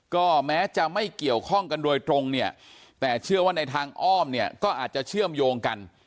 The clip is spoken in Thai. ก็แม้จะไม่เกี่ยวข้องกันโดยตรงเนี่ยแต่เชื่อว่าในทางอ้อมเนี่ยก็อาจจะเชื่อมโยงกัน